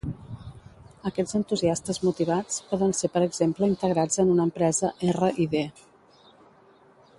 Aquests entusiastes motivats, poden ser per exemple integrats en una empresa R i D.